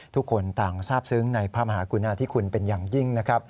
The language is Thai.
ทุกคนต่างทราบซึ้งในพระมหากุณาธิคุณเป็นอย่างยิ่งนะครับ